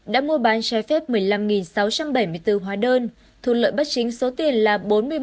đã mua bán trái phép một mươi năm sáu trăm bảy mươi bốn hóa đơn thu lợi bắt chính số tiền là bốn mươi một hai trăm linh chín chín trăm sáu mươi một đồng